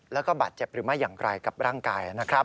แล้วก็บาดเจ็บหรือไม่อย่างไรกับร่างกายนะครับ